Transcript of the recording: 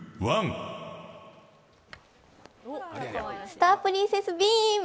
スタープリンセスビーム！